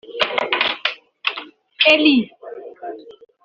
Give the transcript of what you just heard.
Elly